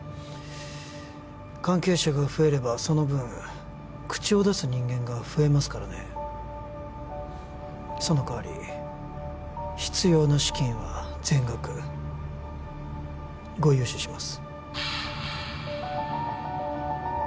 関係者が増えればその分口を出す人間が増えますからねその代わり必要な資金は全額ご融資します